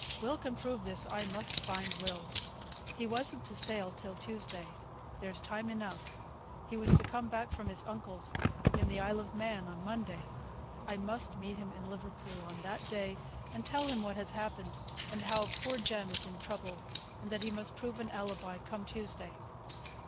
Will can prove this. I must find Will. He wasn't to sail till Tuesday. There's time enough. He was to come back from his uncle's, in the Isle of Man, on Monday. I must meet him in Liverpool, on that day, and tell him what has happened, and how poor Jem is in trouble, and that he must prove an alibi, come Tuesday.